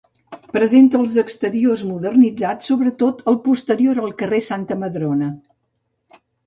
Presenta els exteriors modernitzats, sobre tot el posterior al carrer Santa Madrona.